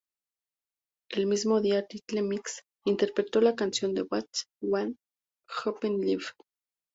El mismo día, Little Mix interpretó la canción en Watch What Happens Live.